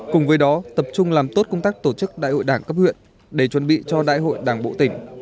cùng với đó tập trung làm tốt công tác tổ chức đại hội đảng cấp huyện để chuẩn bị cho đại hội đảng bộ tỉnh